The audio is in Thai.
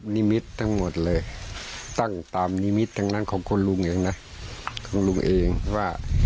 นิมิตทั้งหมดเลยตั้งตามนิมิตทั้งนั้นของคนลุงเองนะ